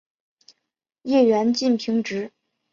叶缘近平直。